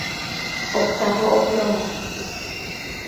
Octavo oblongo.